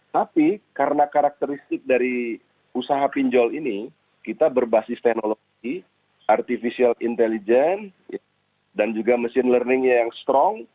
tapi karena karakteristik dari usaha pinjol ini kita berbasis teknologi artificial intelligence dan juga mesin learningnya yang strong